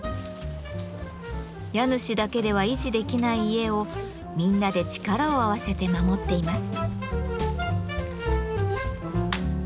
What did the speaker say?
家主だけでは維持できない家をみんなで力を合わせて守っています。